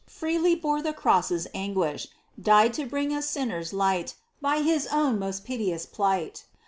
Freely bore the cross's anguish. Died to bring us sinners light By His own most piteous plight